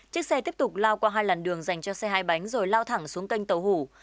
chiếc xe tiếp tục lao qua hai làn đường dành cho xe hai bánh rồi lao thẳng xuống kênh tàu hủ